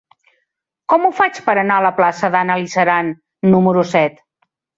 Com ho faig per anar a la plaça d'Anna Lizaran número set?